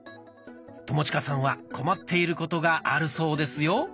友近さんは困っていることがあるそうですよ。